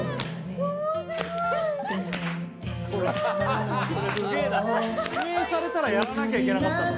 これすげな指名されたらやらなきゃいけなかったんだ。